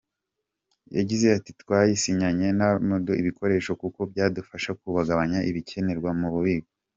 Yagize ati “Twasinyanye n’abaduha ibikoresho kuko byadufasha kugabanya ibikenerwa mu bubiko.